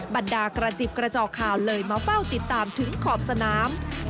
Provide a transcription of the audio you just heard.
บรรดากระจิบกระจอกข่าวเลยมาเฝ้าติดตามถึงขอบสนาม